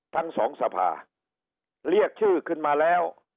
ทั้งสองสภาเรียกชื่อขึ้นมาแล้ว